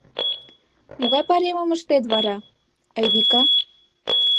— Могай пайремым ыштет вара, Айвика?